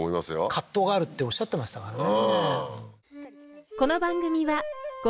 葛藤があるっておっしゃってましたからね